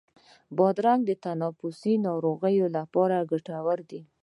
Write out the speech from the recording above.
بادرنګ د تنفسي ناروغیو لپاره ګټور دی.